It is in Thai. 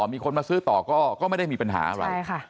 มีคนมาซื้อต่อก็ไม่ได้มีปัญหาอะไร